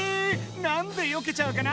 なんでよけちゃうかな？